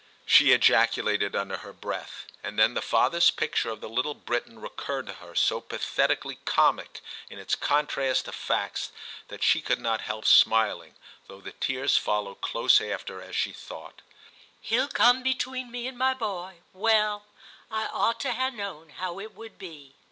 she ejaculated under her breath ; and then the father's picture of the little Briton recurred to her so pathetically comic in its contrast to facts, that she could not help smiling, though the tears followed close after, as she thought, * He*ll come between me and my boy ; well, I ought to ha' known how it would be.'